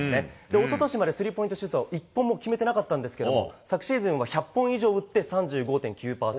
一昨年までスリーポイントシュートを１本も決めていなかったんですが昨シーズンは１００本以上打って３５．９％。